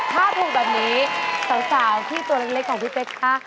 ถ้าถูกแบบนี้สาวที่ตัวเล็กของพี่เป๊กคะ